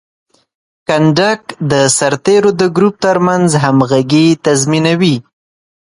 کنډک د سرتیرو د ګروپ ترمنځ همغږي تضمینوي.